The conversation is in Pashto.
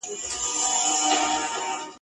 د هغه په سرای کي ساتل کیدلې